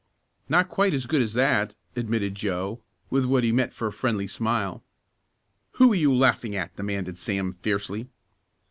"Not quite as good as that," admitted Joe with what he meant for a friendly smile. "Who you laughing at?" demanded Sam fiercely.